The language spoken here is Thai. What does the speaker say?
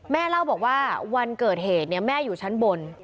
เล่าบอกว่าวันเกิดเหตุแม่อยู่ชั้นบน